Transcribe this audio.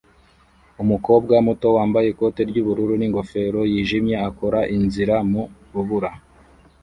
Umukobwa muto wambaye ikote ry'ubururu n'ingofero yijimye akora inzira mu rubura